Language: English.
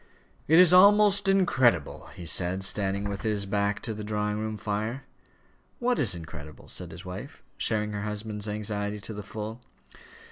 "It is almost incredible," he said, standing with his back to the drawing room fire. "What is incredible?" said his wife, sharing her husband's anxiety to the full.